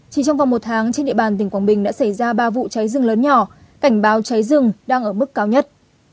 chỉ trong vòng một tháng trên địa bàn tỉnh quảng bình đã xảy ra ba vụ cháy rừng lớn nhỏ cảnh báo cháy rừng đang ở mức cao nhất